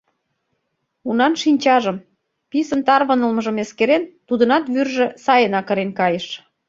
Унан шинчажым, писын тарвынылмыжым эскерен, тудынат вӱржӧ сайынак ырен кайыш.